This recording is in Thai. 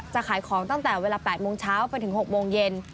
ขายของตั้งแต่เวลา๘โมงเช้าไปถึง๖โมงเย็น